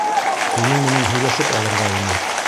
Һинең менән һөйләшеп алырға ине.